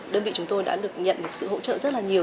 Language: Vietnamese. đơn vị chúng tôi đã được nhận một sự hỗ trợ rất là nhiều